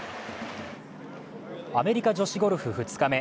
アメリカ女子ゴルフ２日目。